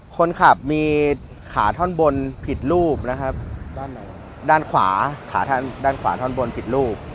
คนขับมีขาท่อนบนผิดรูปนะครับด้านไหนด้านขวาขาด้านขวาท่อนบนผิดรูป